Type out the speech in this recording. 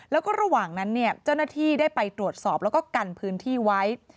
แล้วก็ระหว่างนั้นเนี่ยเจ้าหน้าที่ได้ไปตรวจสอบแล้วก็กันพื้นที่ไว้